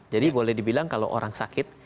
jadi boleh dibilang kalau orang sakit